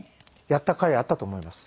やったかいあったと思います。